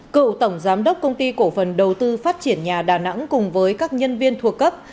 cựu tổng giám đốc công ty cổ phần đầu tư phát triển nhà đà nẵng cùng với các nhân viên thuộc cấp